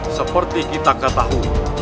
seperti kita ketahui